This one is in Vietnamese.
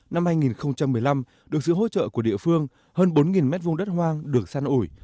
năm hai nghìn một mươi năm được sự hỗ trợ của địa phương hơn bốn m hai đất hoang được săn ủi